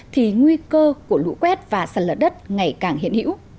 thì nguy cơ của lũ quét và sản lợi đất ngày càng hiện hữu